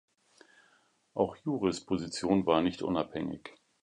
Auch Juris Position war nicht unabhängig.